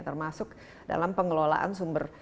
termasuk dalam pengelolaan sumber